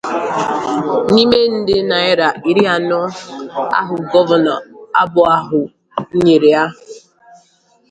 N'ime nde naịra iri anọ ahụ Gọvanọ abụọ ahụ nyere ha